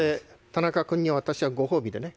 田中君に私はご褒美でね。